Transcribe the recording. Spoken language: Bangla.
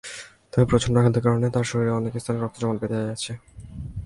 তবে প্রচণ্ড আঘাতের কারণে তার শরীরের অনেক স্থানে রক্ত জমাট বেঁধে আছে।